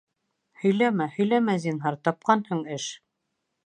— Һөйләмә, һөйләмә, зинһар, тапҡанһың эш!